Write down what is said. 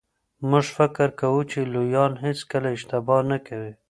موږ فکر کوو چي لویان هیڅکله اشتباه نه کوي.